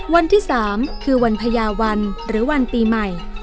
วันที่๓คือวันพญาวันหรือวันปีใหม่